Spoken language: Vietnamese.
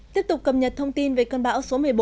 tiếp tục cập nhật thông tin về cơn bão số một mươi bốn